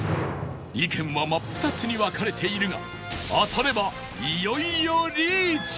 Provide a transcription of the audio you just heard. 意見は真っ二つに分かれているが当たればいよいよリーチ！